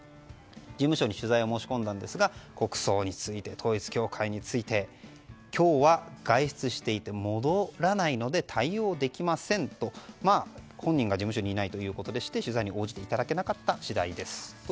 事務所に取材を申し込んだんですが国葬について、統一教会について今日は外出していて戻らないので対応できませんと、本人が事務所にいないということで取材に応じていただけなかった次第です。